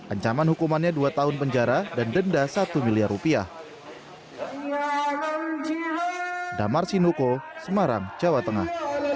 ancaman hukumannya dua tahun penjara dan denda satu miliar rupiah